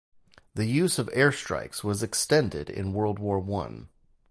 The use of air strikes was extended in World War One.